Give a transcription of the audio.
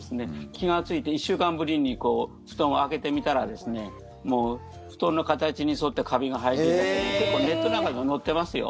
気がついて１週間ぶりに布団上げてみたらもう布団の形に沿ってカビが生えてるなんて結構ネットなんかでも載ってますよ。